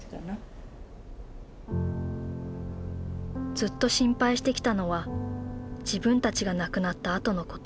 ずっと心配してきたのは自分たちが亡くなったあとのこと。